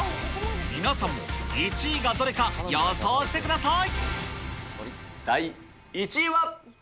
皆さんも１位がどれか、予想してください。